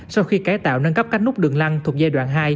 sau khi cải tạo nâng cấp các nút đường lăng thuộc giai đoạn hai